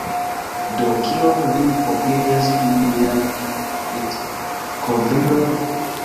Do, kion vi opinias pri miaj litkovriloj?